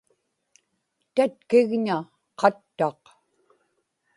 tatkigña qattaq